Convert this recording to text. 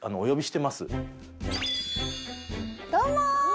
どうもー！